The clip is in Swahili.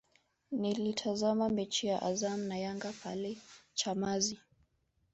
Nilitazama mechi ya Azam na Yanga pale Chamazi